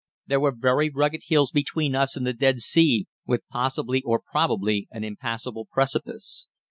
There were very rugged hills between us and the Dead Sea, with possibly or probably an impassable precipice.